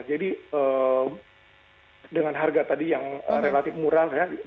jadi dengan harga tadi yang relatif murah ya